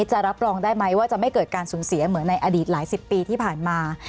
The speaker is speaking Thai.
จะรับรองได้ไหมว่าจะไม่เกิดการสูญเสียเหมือนในอดีตหลายสิบปีที่ผ่านมา